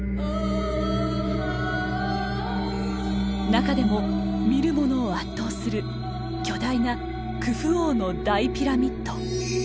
中でも見る者を圧倒する巨大なクフ王の大ピラミッド。